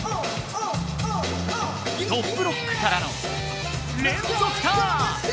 トップロックからの連続ターン。